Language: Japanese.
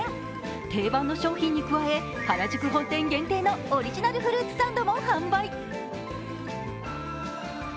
定番の商品に加え原宿本店限定のオリジナルフルーツサンドも販売。